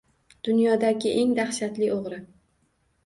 Dunyodagi eng dahshatli oʻgʻri.